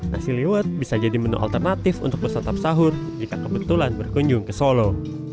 nasi liwet bisa jadi menu alternatif untuk bersantap sahur jika kebetulan berkunjung ke solo